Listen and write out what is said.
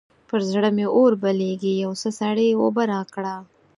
پر زړه مې اور بلېږي؛ يو څه سړې اوبه راکړه.